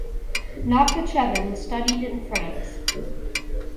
Nakhichevan studied in France.